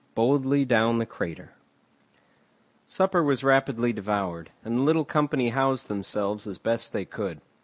BOLDLY DOWN THE CRATER Supper was rapidly devoured, and the little company housed themselves as best they could.